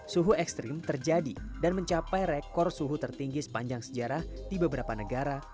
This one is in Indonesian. suhu ekstrim terjadi dan mencapai rekor suhu tertinggi sepanjang sejarah di beberapa negara